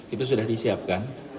itu sudah disiapkan